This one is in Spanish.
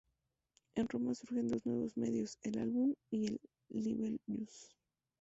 En Roma surgen dos nuevos medios: el "album", y el "libellus".